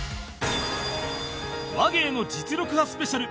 話芸の実力刃スペシャル